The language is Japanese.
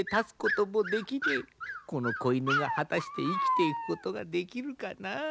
この子犬が果たして生きていくことができるかな？